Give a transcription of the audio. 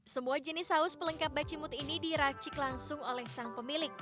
semua jenis saus pelengkap bacimut ini diracik langsung oleh sang pemilik